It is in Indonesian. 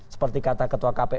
seperti kata ketua kapolri